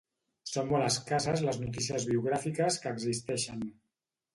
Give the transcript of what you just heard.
Són molt escasses les notícies biogràfiques que existeixen.